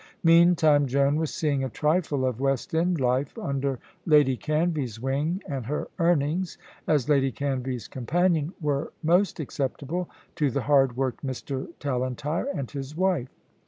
Meantime, Joan was seeing a trifle of West End life under Lady Canvey's wing, and her earnings, as Lady Canvey's companion, were most acceptable to the hard worked Mr. Tallentire and his wife.